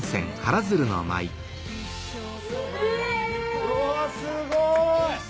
うわっすごい！